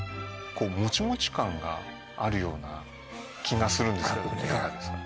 もちもち感があるような気がするんですけどいかがですか